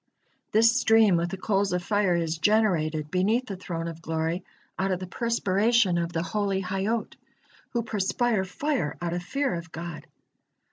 This stream with the coals of fire is generated beneath the Throne of Glory out of the perspiration of the holy Hayyot, who perspire fire out of fear of God.